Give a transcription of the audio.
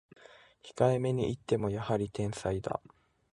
控えめに言ってもやはり天才だ